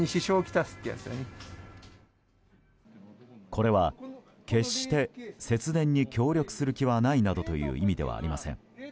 これは決して節電に協力する気はないなどという意味ではありません。